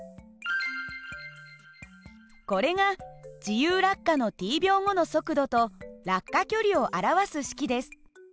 これが自由落下のｔ秒後の速度と落下距離を表す式です。